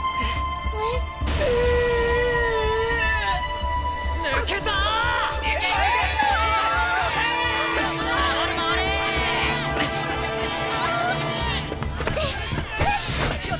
あっ。